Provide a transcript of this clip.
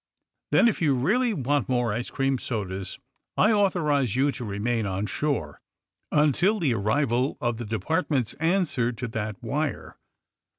"Tben if you really want more ice cream sodas I authorize you to remain on shore until the arrival of the Department's answer to that wire.